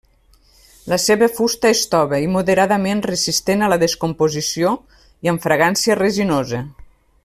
La seva fusta és tova i moderadament resistent a la descomposició i amb fragància resinosa.